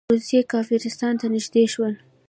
روسیې کافرستان ته نږدې شول.